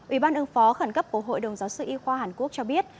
ủy ban ứng phó khẩn cấp của hội đồng giáo sư y khoa hàn quốc cho biết